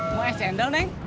mau es jendol neng